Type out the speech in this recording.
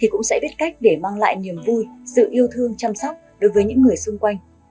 cách để mang lại niềm vui sự yêu thương chăm sóc đối với những người xung quanh